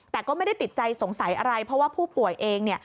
แต่ก็ไม่ได้ติดใจสงสัยอะไรเพราะว่าผู้ป่วยเองเนี่ย